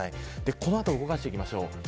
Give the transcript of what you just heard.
この後、動かしていきます。